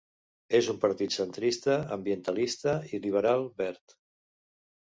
És un partit centrista, ambientalista i liberal verd.